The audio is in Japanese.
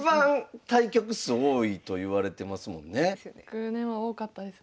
昨年は多かったですね。